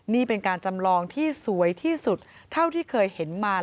นี่เป็นการจำลองที่สวยที่สุดเท่าที่เคยเห็นมา